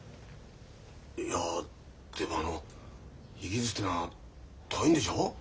いやでもイギリスってのは遠いんでしょう？